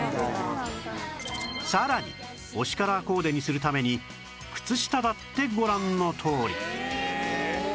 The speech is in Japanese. さらに推しカラーコーデにするために靴下だってご覧のとおり